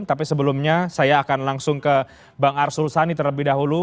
tapi sebelumnya saya akan langsung ke bang arsul sani terlebih dahulu